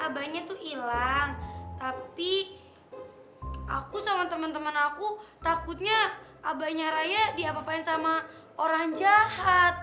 abahnya tuh hilang tapi aku sama teman teman aku takutnya abahnya raya diapapain sama orang jahat